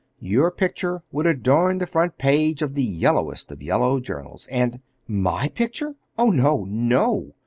Your picture would adorn the front page of the yellowest of yellow journals, and—" "My picture! Oh, no, no!"